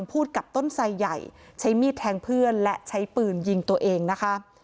พูดกับต้นไสใหญ่ใช้มีดแทงเพื่อนและใช้ปืนยิงตัวเองนะคะ